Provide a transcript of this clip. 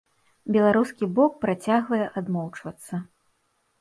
Беларускі бок працягвае адмоўчвацца.